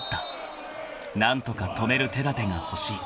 ［何とか止める手だてが欲しい］